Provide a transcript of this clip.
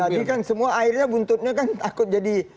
jadi kan semua akhirnya buntutnya kan takut jadi